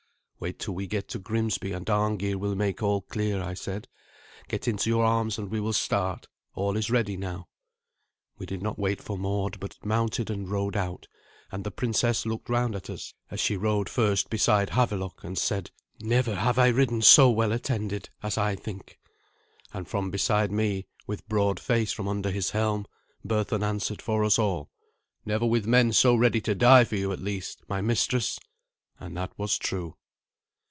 "Wait till we get to Grimsby, and Arngeir will make all clear," I said. "Get into your arms, and we will start. All is ready now." We did not wait for Mord, but mounted and rode out, and the princess looked round at us as she rode first beside Havelok, and said, "Never have I ridden so well attended, as I think." And from beside me, with broad face from under his helm, Berthun answered for us all, "Never with men so ready to die for you, at least, my mistress." And that was true.